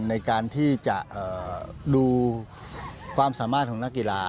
ในการที่จะดูความสามารถของนักกีฬา